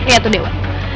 iya tuh dewa